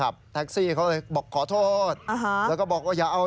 แบงค์พันธุ์มันหายไป